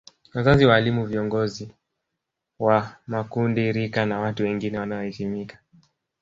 Wazazi waalimu viongizi wa makundi rika na watu wengine wanaoheshimika